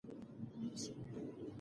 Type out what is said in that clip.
خپله ستونزه په روښانه ډول ووایئ.